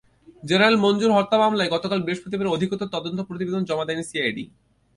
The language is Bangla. জেনারেল মঞ্জুর হত্যা মামলায় গতকাল বৃহস্পতিবার অধিকতর তদন্ত প্রতিবেদন জমা দেয়নি সিআইডি।